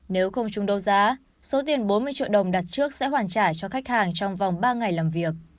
nếu không chung đấu giá số tiền bốn mươi triệu đồng đặt trước sẽ hoàn trả cho khách hàng trong vòng ba ngày làm việc